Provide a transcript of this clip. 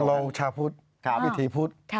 เราชาพูดวิถีพูด